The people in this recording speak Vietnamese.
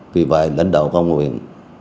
vì vậy lãnh đạo công an huyện